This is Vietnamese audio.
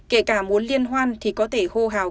kể cả muốn liên hoan thì có thể hô hào